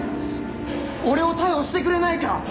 俺を逮捕してくれないか！？